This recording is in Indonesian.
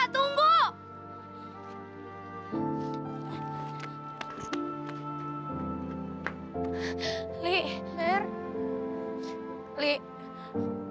susah sekali di penso cincinstasio